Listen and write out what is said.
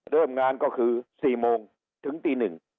เริ่มงานก็คือ๔โมงถึงตี๑